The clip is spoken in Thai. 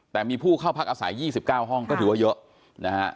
แต่มีผู้เข้าพักอาศัย๒๙ห้องก็ถือว่าเยอะนะฮะ